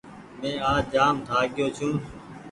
مينٚ آج جآم ٿآڪگيو ڇوٚنٚ